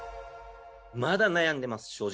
まだ悩んでます、正直。